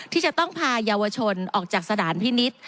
ที่จะต้องพายาวชนออกจากสถานพินิษฐ์